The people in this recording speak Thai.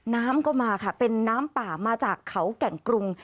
น้ำก็มาค่ะเป็นน้ำป่ามาจากเขาแก่งกรุง